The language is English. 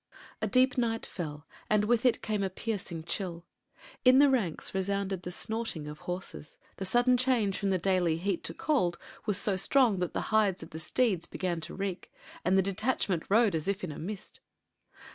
A deep night fell and with it came a piercing chill. In the ranks resounded the snorting of horses; the sudden change from the daily heat to cold was so strong that the hides of the steeds began to reek, and the detachment rode as if in a mist.